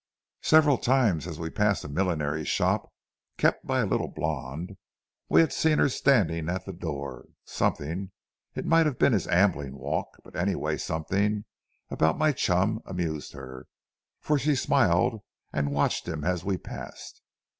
"Several times as we passed a millinery shop, kept by a little blonde, we had seen her standing at the door. Something—it might have been his ambling walk, but, anyway, something—about my chum amused her, for she smiled and watched him as we passed.